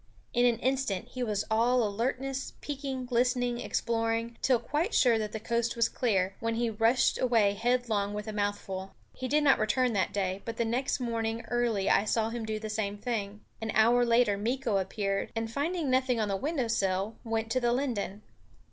In an instant he was all alertness, peeking, listening, exploring, till quite sure that the coast was clear, when he rushed away headlong with a mouthful. He did not return that day; but the next morning early I saw him do the same thing. An hour later Meeko appeared and, finding nothing on the window sill, went to the linden.